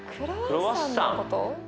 クロワッサン！